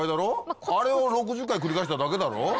あれを６０回繰り返しただけだろ。